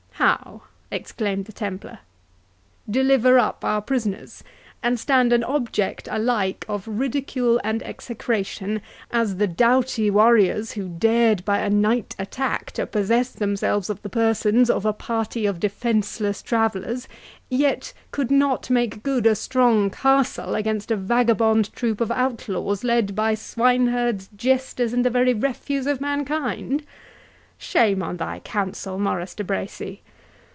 "How?" exclaimed the Templar; "deliver up our prisoners, and stand an object alike of ridicule and execration, as the doughty warriors who dared by a night attack to possess themselves of the persons of a party of defenceless travellers, yet could not make good a strong castle against a vagabond troop of outlaws, led by swineherds, jesters, and the very refuse of mankind?—Shame on thy counsel, Maurice de Bracy!